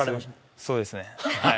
そうですね、はい。